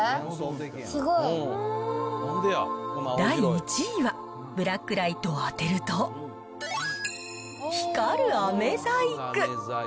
第１位は、ブラックライトを当てると、光るあめ細工。